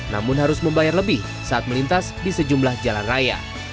namun harus membayar lebih saat melintas di sejumlah jalan raya